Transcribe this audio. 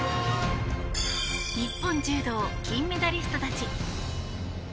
日本柔道、金メダリストたち。